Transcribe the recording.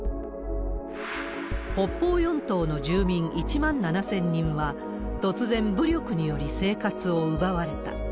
北方四島の住民１万７０００人は、突然、武力により生活を奪われた。